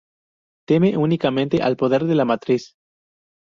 Teme únicamente al poder de la Matriz.